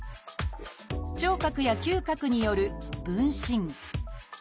聴覚や嗅覚による「聞診」。